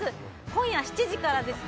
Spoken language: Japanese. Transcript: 今夜７時からです。